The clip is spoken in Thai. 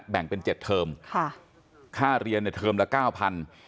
แบ่งเป็น๗เทิมค่ะค่าเรียนเทิมละ๙๐๐๐